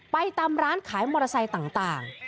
ไปตามร้านขายมอเตอร์ไซค์ต่าง